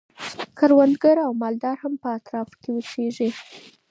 کروندګر او مالداران هم په اطرافو کي اوسیږي.